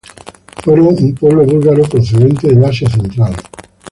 Fueron un pueblo búlgaro procedente del Asia central.